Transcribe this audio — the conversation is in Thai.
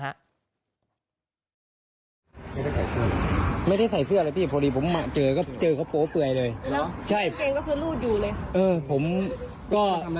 เฮ้อที่ความยืดบวกรถข้ามันไม่มีใครต่อ